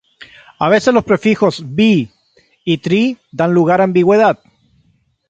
A veces los prefijos "bi-" y "tri-" dan lugar a ambigüedad.